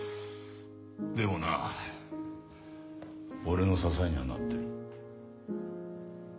でもな俺の支えにはなってる。